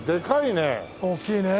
大きいね。